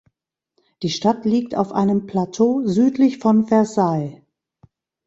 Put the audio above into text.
Die Stadt liegt auf einem Plateau südlich von Versailles.